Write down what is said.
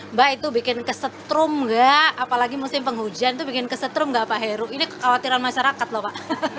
mbak itu bikin kesetrum enggak apalagi musim penghujan tuh bikin kesetrum gak pak heru ini kekhawatiran masyarakat lho pak